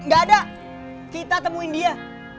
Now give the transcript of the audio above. gak ada kita temuin dia